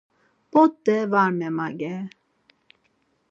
P̌ot̆e var memager?